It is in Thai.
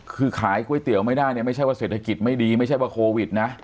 คือขายก๋วยเตี๋ยวไม่ได้เนี่ยไม่ใช่ว่าเศรษฐกิจไม่ดีไม่ใช่ว่าโควิดนะ